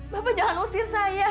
bapak jangan usir saya